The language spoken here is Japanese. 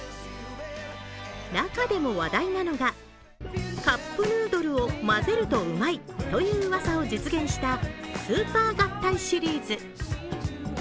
中でも話題なのがカップヌードルを混ぜるとうまいといううわさを実現したスーパー合体シリーズ。